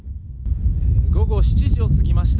午後７時を過ぎました。